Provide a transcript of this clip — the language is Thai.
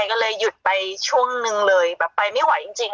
ก็เลยหยุดไปช่วงนึงเลยแบบไปไม่ไหวจริง